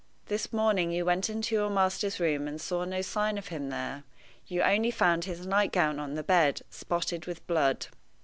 This morning you went into your master's room and saw no sign of him there. You only found his nightgown on the bed, spotted with blood."